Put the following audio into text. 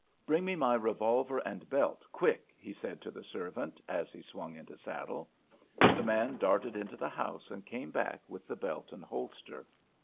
"Bring me my revolver and belt, quick," he said to the servant, as he swung into saddle. The man darted into the house and came back with the belt and holster.